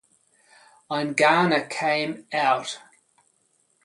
Eingana came out.